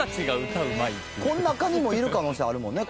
この中にもいる可能性あるもんね